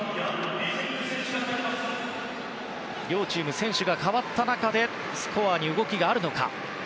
両チーム、選手が代わった中でスコアに動きがあるのか。